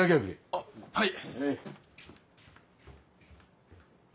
あっはい！